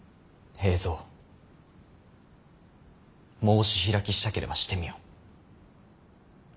申し開きしたければしてみよ。